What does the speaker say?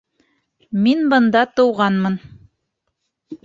— Мин бында тыуғанмын.